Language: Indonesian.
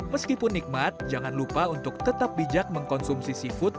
meskipun nikmat jangan lupa untuk tetap bijak mengkonsumsi seafood